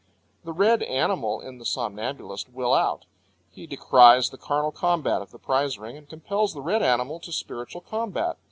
The red animal in the somnambulist will out. He decries the carnal combat of the prize ring, and compels the red animal to spiritual combat.